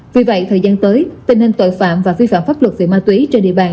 vì vậy thời gian tới tình hình tội phạm và vi phạm pháp luật về ma túy trên địa bàn